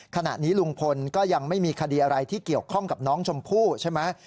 ขณะนี้ลุงพลก็ยังไม่มีคดีอะไรที่เกี่ยวข้องกับน้องชมพู่ใช่ไหม